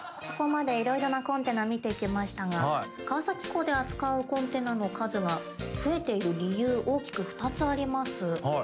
ここまでいろいろなコンテナ見てきましたが川崎港で扱うコンテナの数が増えている理由大きく２つあります。